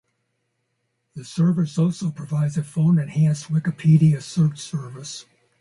The service also provides a phone-enhanced Wikipedia search service.